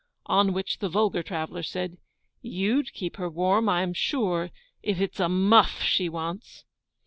On which the vulgar traveller said, 'YOU'D keep her warm, I am sure, if it's a MUFF she wants.